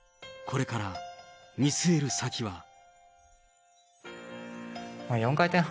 これから見据える先は。